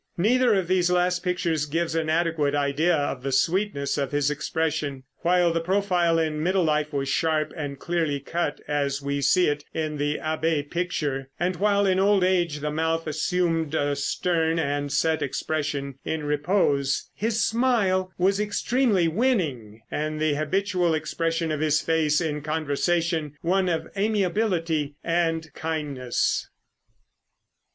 Neither of these last pictures gives an adequate idea of the sweetness of his expression. While the profile in middle life was sharp and clearly cut, as we see it in the abbé picture, and while in old age the mouth assumed a stern and set expression in repose, his smile was extremely winning, and the habitual expression of his face in conversation one of amiability and kindness.